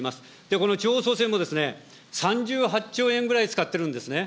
この地方創生も、３８兆円ぐらい使ってるんですね。